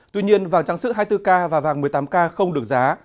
tuy nhiên vàng trang sức hai mươi bốn k và vàng một mươi tám k không được giá